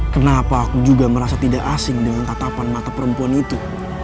kenapa aku juga merasa tidak asing dengan tatapan mata perempuan itu